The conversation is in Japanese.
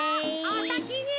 おさきに！